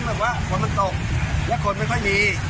แบบว่าฝนมันตกและคนไม่ค่อยมี